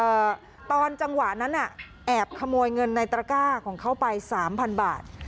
ตอนจังหวะนั้นน่ะแอบขโมยเงินในตระก้าของเขาไปสามพันบาท